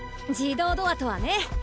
自動ドアとはね。